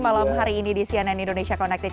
malam hari ini di cnn indonesia connected